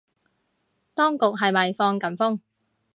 當局係咪放緊風